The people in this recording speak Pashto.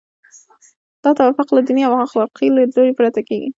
دا توافق له دیني او اخلاقي لیدلوري پرته کیږي.